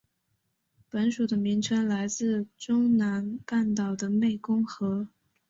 本属的名称来自中南半岛的湄公河。